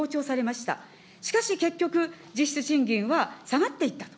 しかし結局、実質賃金は下がっていったと。